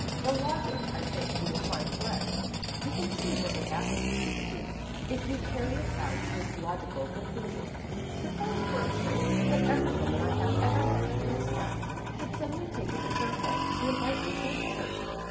The logic, I think, you will find correct. You can see what would happen," she pursued, "if you carry it out to its logical conclusion. Suppose, for instance, that every woman I have ever met in this town should suddenly take it into her head to invite me to a dinner.